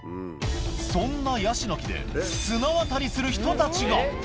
そんなヤシの木で綱渡りする人たちが！